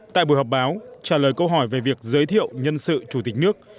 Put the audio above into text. tại buổi họp báo trả lời câu hỏi về việc giới thiệu nhân sự chủ tịch nước